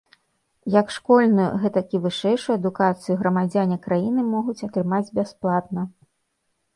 Як школьную, гэтак і вышэйшую адукацыю грамадзяне краіны могуць атрымаць бясплатна.